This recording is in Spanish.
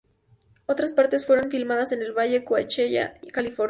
Otras partes fueron filmadas en el Valle Coachella, California.